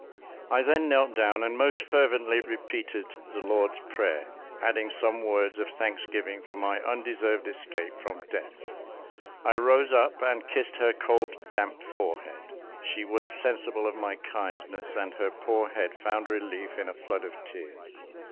I then knelt down and most fervently repeated the Lord's Prayer, adding some words of thanksgiving, for my undeserved escape from death. I rose up and kissed her cold, damp forehead; she was sensible of my kindness, and her poor head found relief in a flood of tears.